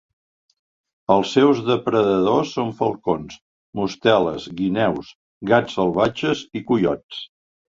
Els seus depredadors són falcons, mosteles, guineus, gats salvatges i coiots.